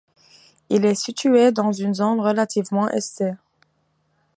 Il est situé dans une zone relativement aisée.